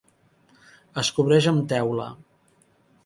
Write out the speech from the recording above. Es cobreix amb teula.